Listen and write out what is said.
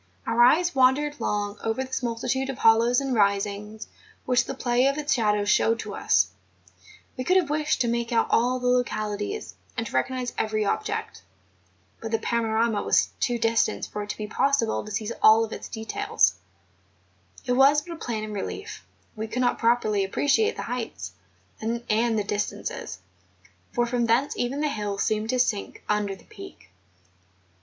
Our eyes wandered long over this multitude of hollows and risings which the play of the shadows showed to us; we could have wished to make out all the localities, and to recognise every object; but the panorama was too distant for it to be possible to seize all its details ; it was but a plan in relief; we could not properly appreciate the heights and the distances, for from thence even the hills seemed to sink under the Peak.